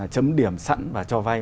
chấm điểm sẵn và cho vay